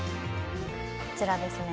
こちらですね